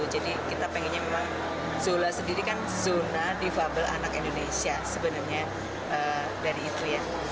jadi kita inginnya memang zola sendiri kan zona difabel anak indonesia sebenarnya dari itu ya